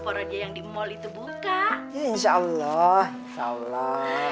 porodia yang di mall itu buka insyaallah insyaallah